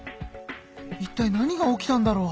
いったい何が起きたんだろう？